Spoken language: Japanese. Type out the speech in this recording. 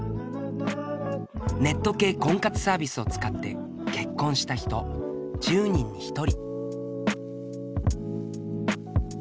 ネット系婚活サービスを使って結婚した人１０人に１人。